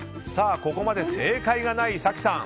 ここまで正解がない早紀さん。